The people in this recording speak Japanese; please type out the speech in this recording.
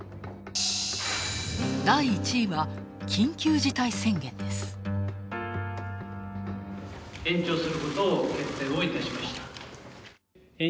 第１位は、緊急事態宣言です。